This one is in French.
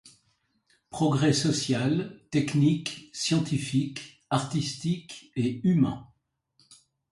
Progrès social, technique, scientifique, artistique et humain.